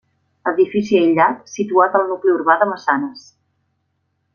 Edifici aïllat, situat al nucli urbà de Massanes.